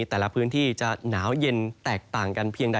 แต่ละพื้นที่จะหนาวเย็นแตกต่างกันเพียงใด